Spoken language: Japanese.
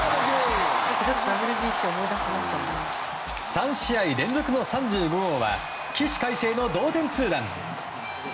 ３試合連続の３５号は起死回生の同点ツーラン！